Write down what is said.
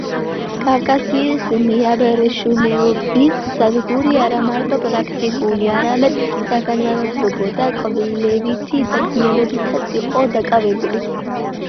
კავკასიის მეაბრეშუმეობის სადგური არამარტო პრაქტიკული, არამედ საგანმანათლებლო და კვლევითი საქმიანობითაც იყო დაკავებული.